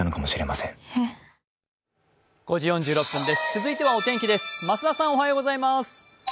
続いてはお天気です。